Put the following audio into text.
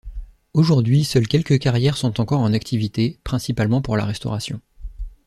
Aujourd'hui seules quelques carrières sont encore en activité, principalement pour la restauration.